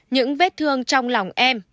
những vết thương trong lòng em